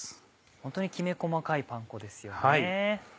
本当にきめ細かいパン粉ですよね。